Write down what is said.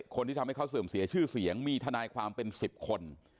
คนที่ทำให้เขาเสื่อมเสียชื่อเสียงมีทนายความเป็น๑๐คน